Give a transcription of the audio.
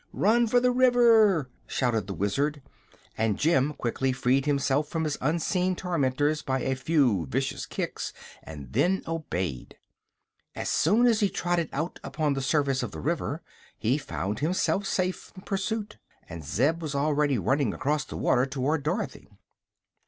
"Run for the river!" shouted the Wizard, and Jim quickly freed himself from his unseen tormenters by a few vicious kicks and then obeyed. As soon as he trotted out upon the surface of the river he found himself safe from pursuit, and Zeb was already running across the water toward Dorothy.